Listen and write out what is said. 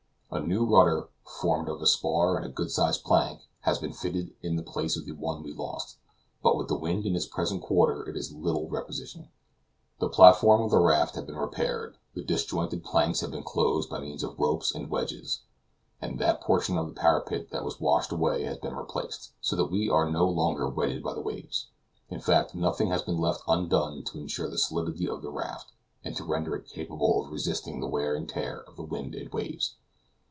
A new rudder, formed of a spar and a good sized plank, has been fitted in the place of the one we lost, but with the wind in its present quarter it is in little requisition. The platform of the raft has been repaired, the disjointed planks have been closed by means of ropes and wedges, and that portion of the parapet that was washed away has been replaced, so that we are no longer wetted by the waves. In fact, nothing has been left undone to insure the solidity of our raft, and to render it capable of resisting the wear and tear of the wind and waves.